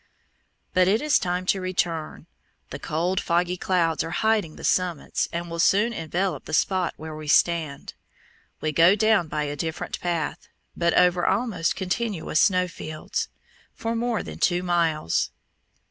But it is time to return. The cold, foggy clouds are hiding the summits and will soon envelop the spot where we stand. We go down by a different path, but over almost continuous snow fields, for more than two miles.